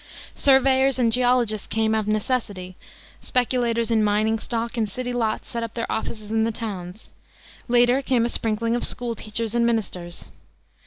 Surveyors and geologists came of necessity, speculators in mining stock and city lots set up their offices in the towns; later came a sprinkling of school teachers and ministers.